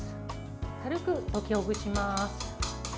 軽く溶きほぐします。